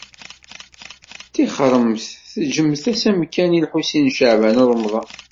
Tixremt, teǧǧemt-as amkan i Lḥusin n Caɛban u Ṛemḍan.